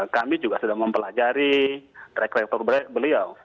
kami juga sudah mempelajari rekreator beliau